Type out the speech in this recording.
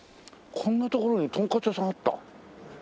こんな所にトンカツ屋さんあった。